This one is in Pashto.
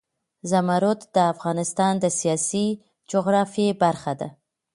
زمرد د افغانستان د سیاسي جغرافیه برخه ده.